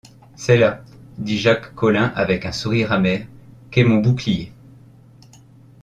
C’est là, dit Jacques Collin avec un sourire amer, qu’est mon bouclier.